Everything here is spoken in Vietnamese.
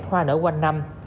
hoa nở quanh năm